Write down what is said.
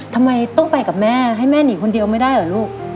ทำไมต้องไปกับแม่ให้แม่หนีคนเดียวไม่ได้เหรอลูก